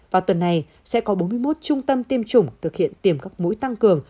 vào tuần này sẽ có bốn mươi một trung tâm tiêm chủng thực hiện tiềm các mũi tăng cường